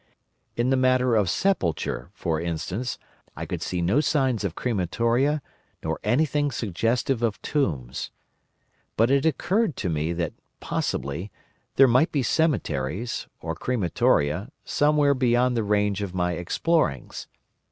"In the matter of sepulture, for instance, I could see no signs of crematoria nor anything suggestive of tombs. But it occurred to me that, possibly, there might be cemeteries (or crematoria) somewhere beyond the range of my explorings.